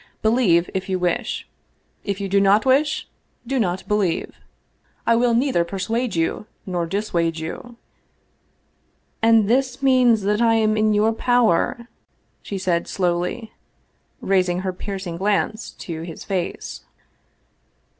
Believe, if you wish. If you do not wish, do not believe. I will neither persuade you nor dissuade you." "And this means that I am in your power? she said slowly, raising her piercing glance to his face.